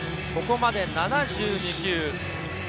ここまで７２球。